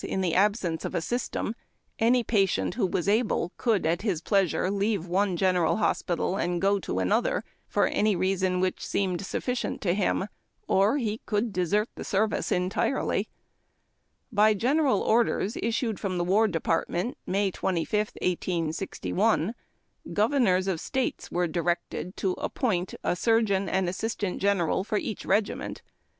In the absence of a system, any patient who was able could, at his pleasure, leave one general hospital and go to aiM'iJKa for any reason which seemed sufficient to him, or he eonid desert the service entirely. By general orders issued from the war department May 25, 1861, g"\<, iiiors of States were directed to appoint a 300 HARD TACK AND COFFEE. surgeon and assistant surgeon for each regiment.